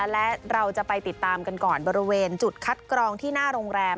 และเราจะไปติดตามกันก่อนบริเวณจุดคัดกรองที่หน้าโรงแรม